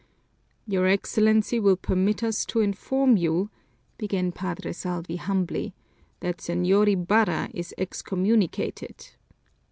"Your Excellency will permit us to inform you," began Padre Salvi humbly, "that Señor Ibarra is excommunicated."